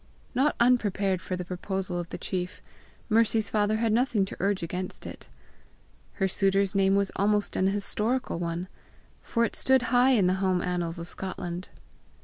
Not unprepared for the proposal of the chief, Mercy's father had nothing to urge against it. Her suitor's name was almost an historical one, for it stood high in the home annals of Scotland.